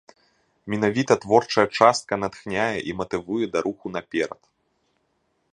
Менавіта творчая частка натхняе і матывуе да руху наперад.